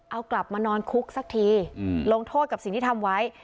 เอากลับมานอนคุกสักทีลงโทษกับสิ่งที่ทำไว้